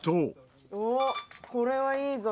「おっこれはいいぞ！